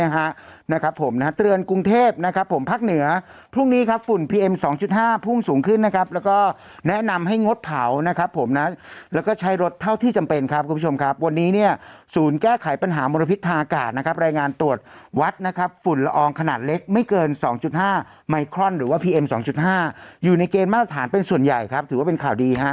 หรือทั้งจำทั้งปรับจากนี้จะเร่งประชาพิจารณ์โดยเร็วที่สุดครับ